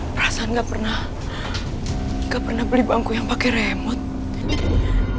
perasaan gak pernah gak pernah beli bangku yang pakai remote